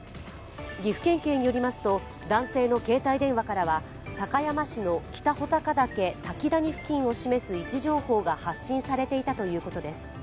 岐阜県警によりますと男性の携帯電話からは高山市の北穂高岳滝谷付近を示す位置情報が発信されていたということです。